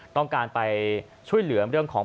ต้องการไปช่วยเหลือเรื่องของ